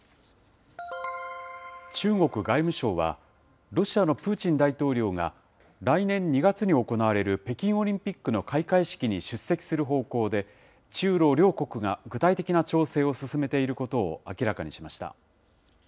中国外務省は、ロシアのプーチン大統領が、来年２月に行われる北京オリンピックの開会式に出席する方向で、中ロ両国が具体的な調整を進めていることを明らかにしました。